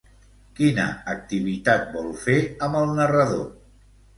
Quina activitat vol fer amb el narrador?